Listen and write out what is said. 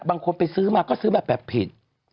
บางคนไปซื้อมาก็ซื้อมาแบบผิด